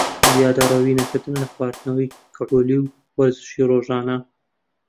زیادەڕەوی نەکردن لە خواردنەوەی کحولی و وەرزشی رۆژانە